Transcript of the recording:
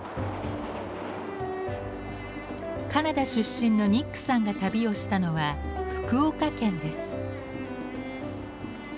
カナダ出身のニックさんが旅をしたのは福岡県です。